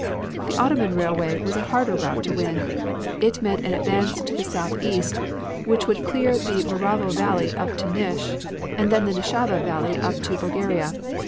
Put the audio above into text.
The Ottoman railway was a harder route to win. It meant an advance to the southeast, which would clear the Moravo valley up to Nish, and then the Nishava valley up to Bulgaria.